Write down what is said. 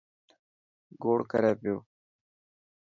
گوڙ ڪري پيو.